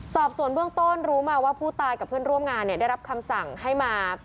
สอบส่วนเบื้องต้นรู้มาว่าผู้ตายกับเพื่อนร่วมงานเนี่ยได้รับคำสั่งให้มา